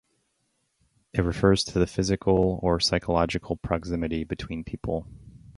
It refers to the physical or psychological proximity between people.